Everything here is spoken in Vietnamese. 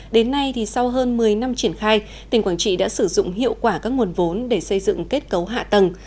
đến nay sau hơn một mươi năm triển khai tỉnh quảng trị đã sử dụng hiệu quả các nguồn vốn để xây dựng kết cấu hạ tầng